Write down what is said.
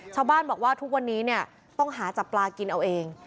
ชาวบ้านบอกว่าทุกวันนี้เนี่ยต้องหาจับปลากินเอาเอง